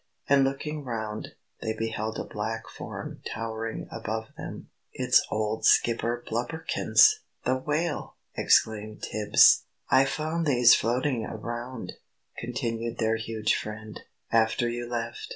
And looking round, they beheld a black form towering above them. "It's old Skipper Blubberkins the Whale!" exclaimed Tibbs. "I found these floating around," continued their huge friend, "after you left.